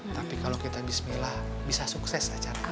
tapi kalau kita bismillah bisa sukses acara acara